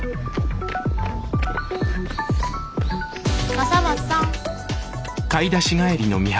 笠松さん。